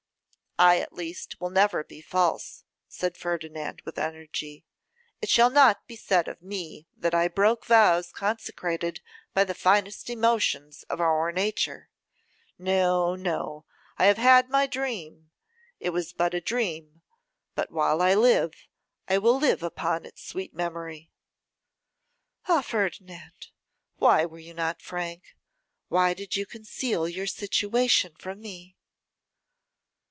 'I, at least, will never be false,' said Ferdinand with energy. 'It shall not be said of me that I broke vows consecrated by the finest emotions of our nature. No, no, I have had my dream; it was but a dream: but while I live, I will live upon its sweet memory.' 'Ah! Ferdinand, why were you not frank; why did you conceal your situation from me?